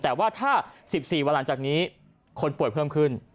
แต่ว่าถ้า๑๔วันหลังจากนี้คนป่วยเพิ่มขึ้น